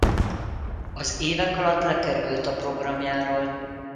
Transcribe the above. Az évek alatt lekerült a programjáról.